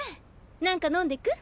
何か飲んでく？